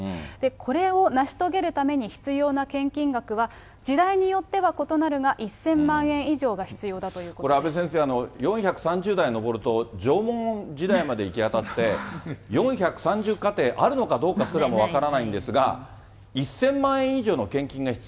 これを成し遂げるために必要な献金額は、時代によっては異なるが、１０００万円以上が必要だということでこれ、阿部先生、４３０代に上ると、縄文時代まで行き当たって、４３０家庭あるのかどうかすらも分からないんですが、１０００万円以上の献金が必要。